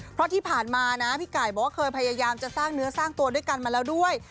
เพราะที่ผ่านมานะพี่ไก่บอกว่าเคยพยายามจะสร้างเนื้อสร้างตัวด้วยกันมาแล้วด้วย